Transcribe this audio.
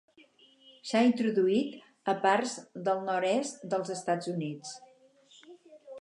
S'ha introduït a parts del nord-est dels Estats Units.